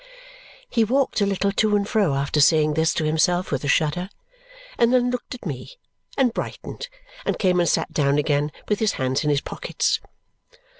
He walked a little to and fro after saying this to himself with a shudder, and then looked at me, and brightened, and came and sat down again with his hands in his pockets.